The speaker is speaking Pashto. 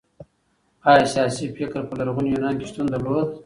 ايا سياسي فکر په لرغوني يونان کي شتون درلود؟